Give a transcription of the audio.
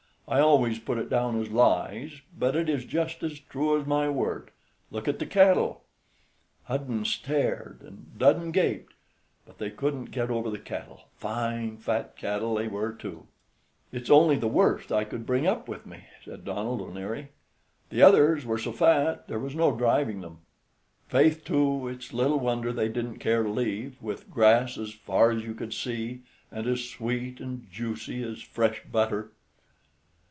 I always put it down as lies, but it is just as true as my word. Look at the cattle." Hudden stared, and Dudden gaped; but they couldn't get over the cattle; fine, fat cattle they were, too. "It's only the worst I could bring up with me," said Donald O'Neary; "the others were so fat, there was no driving them. Faith, too, it's little wonder they didn't care to leave, with grass as far as you could see, and as sweet and juicy as fresh butter."